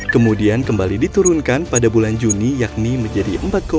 kemudian kembali diturunkan pada bulan juni yakni menjadi empat